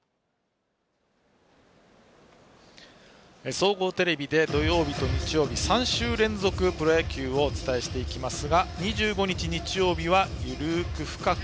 総合テレビで土曜日と日曜日、３週連続でプロ野球をお伝えしていきますが２５日日曜日は「ゆるく深く！